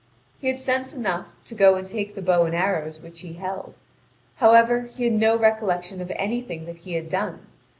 He had sense enough to go and take the bow and arrows which he held. However, he had no recollection of anything that he had done.